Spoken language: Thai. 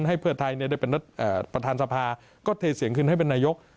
ให้เพื่อไทยได้เป็นประธานสภาก็เทเสียงขึ้นให้เป็นนายก